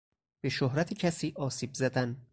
به شهرت کسی آسیب زدن